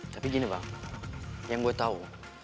tapi gini bang yang gue tahu